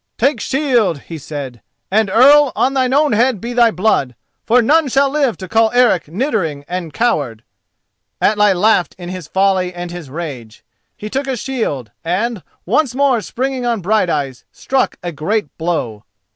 "Take shield," he said, "and, Earl, on thine own head be thy blood, for none shall live to call Eric niddering and coward." Atli laughed in his folly and his rage. He took a shield, and, once more springing on Brighteyes, struck a great blow.